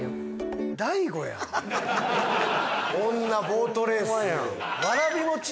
「女」「ボートレース」